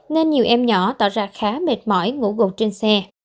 nên nhiều em nhỏ tỏ ra khá mệt mỏi ngủ gụt trên xe